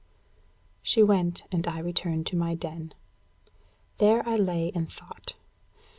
She went, and I returned to my den. There I lay and thought.